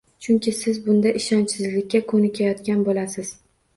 Chunki siz bunda ishonchsizlikka ko‘nikayotgan bo‘lasiz.